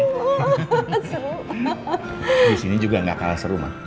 di sini juga gak kalah seru mah